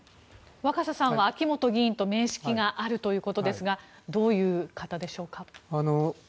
若狭さんは秋本議員と面識があるということですがどういう方でしょうか。